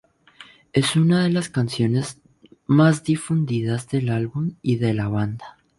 Es una de las canciones más difundidas del álbum y de la banda.